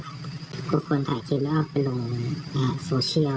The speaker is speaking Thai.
คนถ่ายคลิปแล้วเอาไปลงโซเชียล